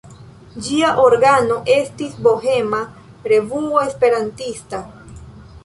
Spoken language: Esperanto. Ĝia organo estis Bohema Revuo Esperantista.